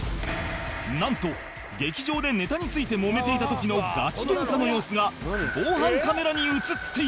なんと劇場でネタについてもめていた時のガチゲンカの様子が防犯カメラに映っていた